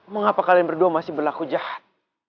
mengapa kalian berdua masih berlaku jahat